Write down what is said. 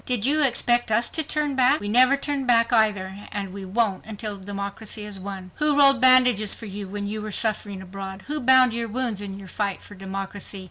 Did you expect us to turn back? We never turn back, either—and we won't until democracy is won! Who rolled bandages for you when you were suffering abroad? Who bound your wounds in your fight for democracy?